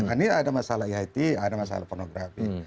ini ada masalah it ada masalah pornografi